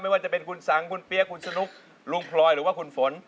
ว่าจะเป็นคุณสังคุณเปี๊ยกคุณสนุกลุงพลอยหรือว่าคุณฝน